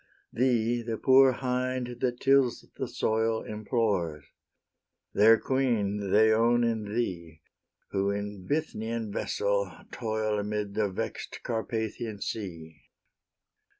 Thee the poor hind that tills the soil Implores; their queen they own in thee, Who in Bithynian vessel toil Amid the vex'd Carpathian sea.